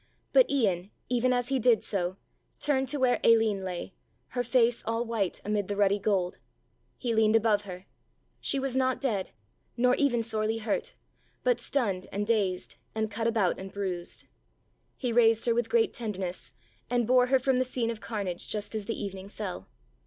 But Ian, even as he did so, turned to where Aline lay, her face all white amid the ruddy gold. He leaned above her. She was not dead, nor even sorely hurt, but stunned and dazed and cut about and bruised. He raised her with great tenderness and bore her from the scene of carnage just as the evening fell.